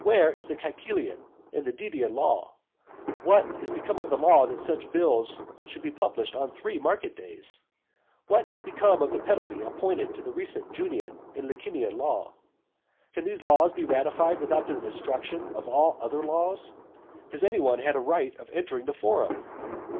Where is the Caecilian and Didian law? What is become of the law that such bills should be published on three market days? What is become of the penalty appointed by the recent Junian and Licinian law? Can these laws be ratified without the destruction of all other laws? Has any one had a right of entering the forum?